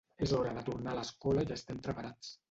És hora de tornar a l’escola i estem preparats.